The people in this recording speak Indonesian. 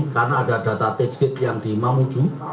karena ada data tedge gate yang di mamuju